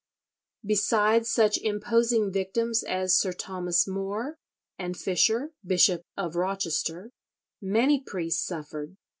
Besides such imposing victims as Sir Thomas More, and Fisher, Bishop of Rochester, many priests suffered.